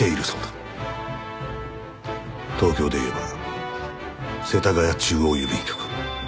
東京で言えば世田谷中央郵便局。